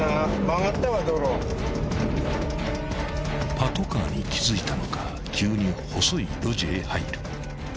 ［パトカーに気付いたのか急に細い路地へ入る］